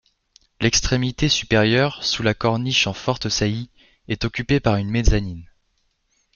L'extrémité supérieure, sous la corniche en forte saillie, est occupée par une mezzanine.